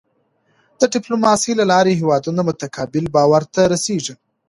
د ډیپلوماسی له لارې هېوادونه متقابل باور ته رسېږي.